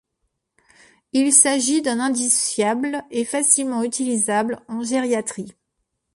Il s'agit d'un indice fiable et facilement utilisable en gériatrie.